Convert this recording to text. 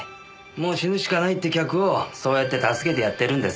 もう死ぬしかないって客をそうやって助けてやってるんです。